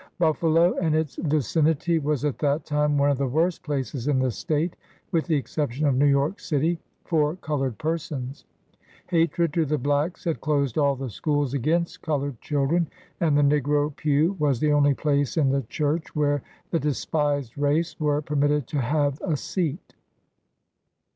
Buffalo and its vicinity was at that time one of the worst places in the State, with the exception of New York city, for colored per sons. Hatred to the blacks had closed all the schools AN AMERICAN BONDMAN. 55 against colored children, and the negro pew was the only place in the church where the despised race were permitted to have a seat.